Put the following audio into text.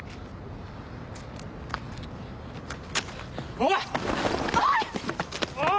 おい！